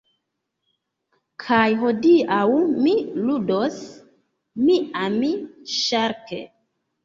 Kaj hodiaŭ mi ludos "Miami Shark".